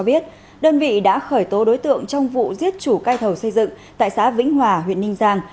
cho biết đơn vị đã khởi tố đối tượng trong vụ giết chủ cây thầu xây dựng tại xã vĩnh hòa huyện ninh giang